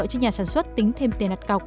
cho nhà sản xuất tính thêm tiền đặt cọc